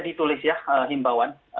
ditulis ya himbawan